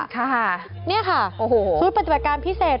ค่ะนี่ค่ะชุดปฏิบัติการพิเศษ